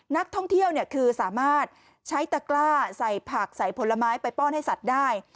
นักท่องเที่ยวคือสามารถใช้ตะกล้าใส่ผักใส่ผลไม้ไปป้อนให้สัตว์ได้